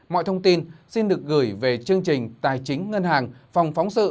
mọi thông tin xin được gửi về chương trình tài chính ngân hàng phòng phóng sự